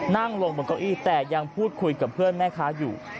นั่งลงบนเก้าอี้แต่ยังพูดคุยกับเพื่อนแม่ค้าอยู่